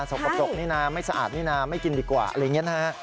สกปรกนี่นะไม่สะอาดนี่นะไม่กินดีกว่าอะไรอย่างนี้นะฮะ